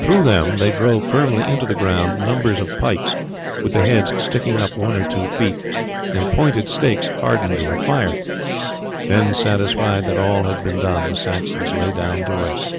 Through them they drove firmly into the ground numbers of pikes with the heads sticking up one or two feet, and pointed stakes hardened in the fire. Then satisfied that all had been done the Saxons lay down to rest.